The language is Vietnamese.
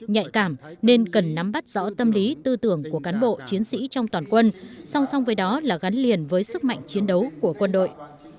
nhạy cảm nên cần nắm bắt rõ tâm lý tư tưởng của cán bộ chiến sĩ trong toàn quân song song với đó là gắn liền với sức mạnh chiến đấu của quân đội